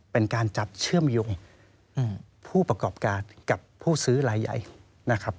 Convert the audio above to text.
เป็นการจับเชื่อมโยงผู้ประกอบการกับผู้ซื้อรายใหญ่นะครับ